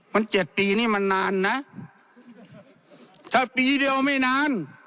มันเจ็ดปีนี่มันนานนะถ้าปีเดียวไม่นาน